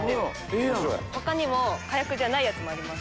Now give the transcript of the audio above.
他にもかやくじゃないやつもあります。